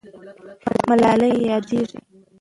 ملالۍ یادېږي.